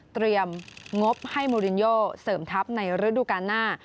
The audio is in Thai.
งบให้โมรินโยเสริมทัพในฤดูการหน้า